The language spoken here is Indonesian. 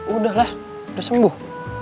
udah lah udah sembuh